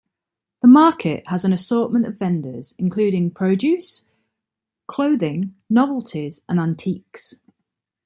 The market has an assortment of vendors including produce, clothing, novelties, and antiques.